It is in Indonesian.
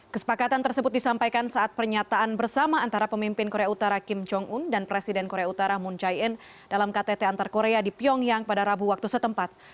kesepakatan tersebut disampaikan saat pernyataan bersama antara pemimpin korea utara kim jong un dan presiden korea utara moon jae in dalam ktt antar korea di pyongyang pada rabu waktu setempat